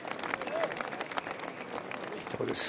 いいところです。